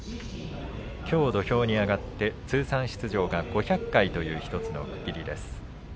きょう土俵に上がって通算出場が５００回という１つの区切りです。